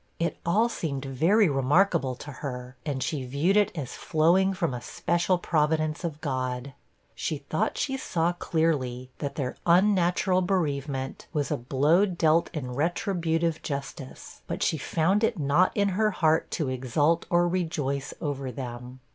It all seemed very remarkable to her, and she viewed it as flowing from a special providence of God. She thought she saw clearly, that their unnatural bereavement was a blow dealt in retributive justice; but she found it not in her heart to exult or rejoice over them.